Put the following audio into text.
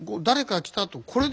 誰か来た。